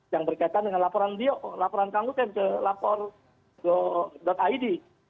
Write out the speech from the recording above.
yang berkaitan dengan laporan kang hussein ke lapor id